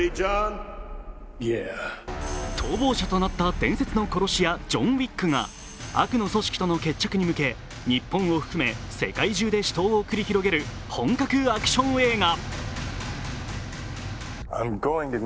逃亡者となった伝説の殺し屋、ジョン・ウィックが悪の組織との決着に向け日本を含め世界中で死闘を繰り広げる本格アクション映画。